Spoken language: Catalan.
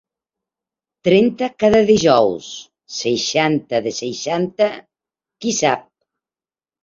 Trenta cada dijous, seixanta de seixanta, qui sap!